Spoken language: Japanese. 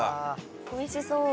おいしそう！